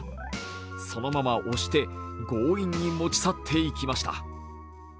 そのまま押して強引に持ち去って行きました。